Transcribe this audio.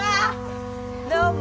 どうも。